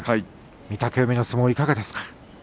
御嶽海の相撲、いかがですか。